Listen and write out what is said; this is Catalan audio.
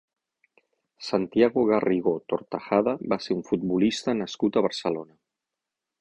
Santiago Garrigó Tortajada va ser un futbolista nascut a Barcelona.